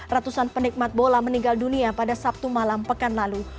ratusan penikmat bola meninggal dunia pada sabtu malam pekan lalu